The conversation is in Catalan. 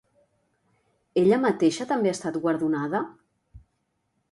Ella mateixa també ha estat guardonada?